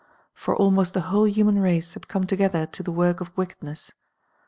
For almost t'le whole human race had come together [[403 to the work of wickedness.